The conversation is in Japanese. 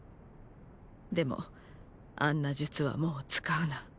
でもあんな術はもう使うな。